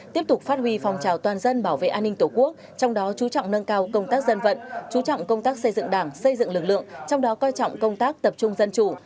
tiếp tục phát huy phòng trào toàn dân bảo vệ an ninh tổ quốc trong đó chú trọng nâng cao công tác dân vận chú trọng công tác xây dựng đảng xây dựng lực lượng trong đó coi trọng công tác tập trung dân chủ